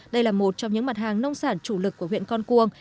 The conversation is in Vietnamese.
đây là một trong những mặt hàng nông sản chủ lực của huyện con cuông